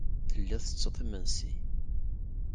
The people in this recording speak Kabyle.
Telliḍ tettetteḍ imensi.